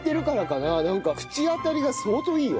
なんか口当たりが相当いいよ。